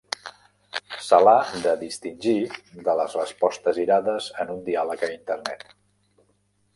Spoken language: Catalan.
Se l'ha de distingir de les respostes irades en un diàleg a internet.